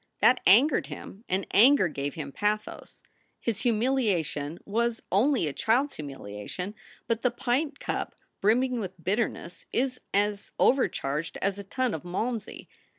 That angered him and anger gave him pathos. His humiliation was only a child s humiliation, but the pint cup brimming with bitterness is as overcharged as a tun of malmsey.